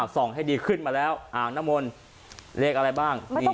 ส่องให้ดีขึ้นมาแล้วอ่างน้ำมนต์เลขอะไรบ้าง